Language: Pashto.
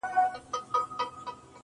د ژوندون ساه او مسيحا وړي څوك.